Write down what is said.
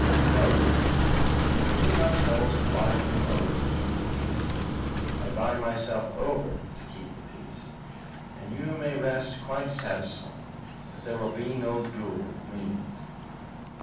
No, your worship. You need not trouble to bind him over to keep the peace. I bind myself over to keep the peace, and you may rest quite satisfied that there will be no duel with me in it."